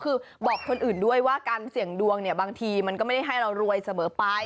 คือบอกคนอื่นด้วยว่าการเสี่ยงดวงเนี่ยบางทีมันก็ไม่ได้ให้เรารวยเสมอไป